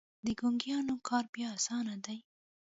د ګونګيانو کار بيا اسانه دی.